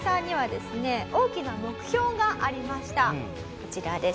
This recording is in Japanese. こちらです。